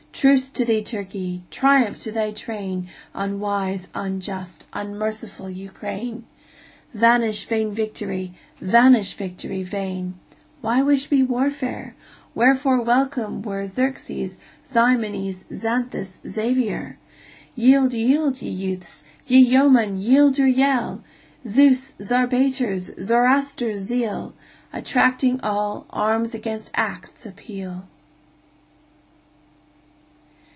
Truce to thee, Turkey! Triumph to thy train, Unwise, unjust, unmerciful Ukraine! Vanish vain victory! vanish, victory vain! Why wish we warfare? Wherefore welcome were Xerxes, Ximenes, Xanthus, Xavier? Yield, yield, ye youths! ye yeomen, yield your yell! Zeus', Zarpater's, Zoroaster's zeal, Attracting all, arms against acts appeal!